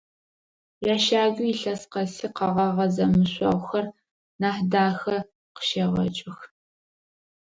Ящагуи илъэс къэси къэгъэгъэ зэмышъогъухэр Нахьдахэ къыщегъэкӏых.